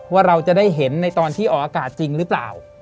ว่าเราจะได้เห็นในตอนที่ออกอากาศจริงหรือเปล่า